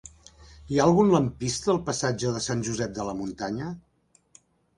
Hi ha algun lampista al passatge de Sant Josep de la Muntanya?